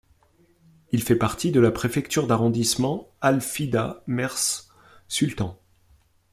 Il fait partie de la préfecture d'arrondissements Al Fida-Mers Sultan.